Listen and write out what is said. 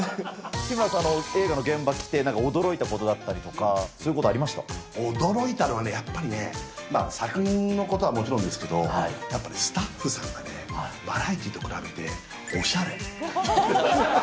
日村さん、映画の現場来て、なんか驚いたことだったりとか、そういうことあ驚いたのはね、やっぱりね、作品のことはもちろんですけど、やっぱりスタッフさんがね、バラエティーと比べておしゃれ。